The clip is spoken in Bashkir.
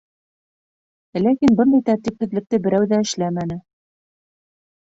Ләкин бындай тәртипһеҙлекте берәү ҙә эшләмәне.